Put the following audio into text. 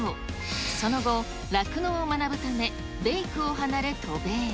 その後、酪農を学ぶため、ベイクを離れ渡米。